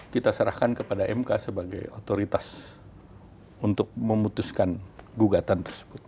kita serahkan kepada mk sebagai otoritas untuk memutuskan gugatan tersebut